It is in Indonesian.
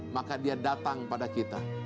maka dia datang pada kita